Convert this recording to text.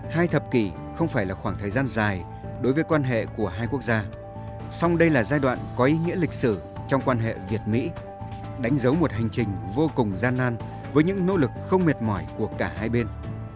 hai thập kỷ không phải là khoảng thời gian dài đối với quan hệ của hai quốc gia song đây là giai đoạn có ý nghĩa lịch sử trong quan hệ việt mỹ đánh dấu một hành trình vô cùng gian nan với những nỗ lực không mệt mỏi của cả hai bên